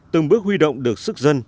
từng bước huy động được sức dân